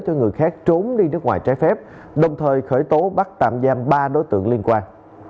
cho người khác trốn đi nước ngoài trái phép đồng thời khởi tố bắt tạm giam ba đối tượng liên quan